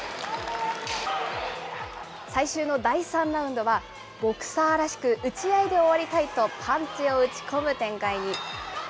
最終の第３ラウンドは、ボクサーらしく、打ち合いで終わりたいと、パンチを打ち込む展開に。